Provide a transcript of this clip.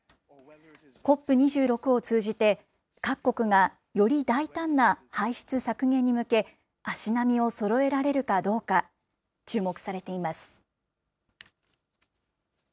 ＣＯＰ２６を通じて、各国がより大胆な排出削減に向け、足並みをそろえられるかどうか、注目されています。